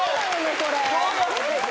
これ。